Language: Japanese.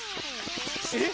えっ！？